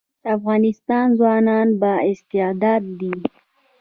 د افغانستان ځوانان با استعداده دي